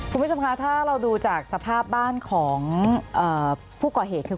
คุณผู้ชมคะถ้าเราดูจากสภาพบ้านของผู้ก่อเหตุคือ